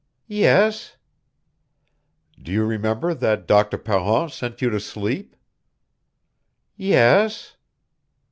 "Yes." "Do you remember that Doctor Parent sent you to sleep?" "Yes."